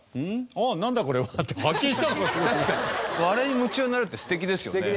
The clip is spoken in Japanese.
あれに夢中になれるって素敵ですよね。